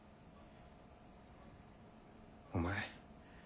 お前